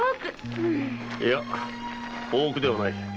いや大奥ではない。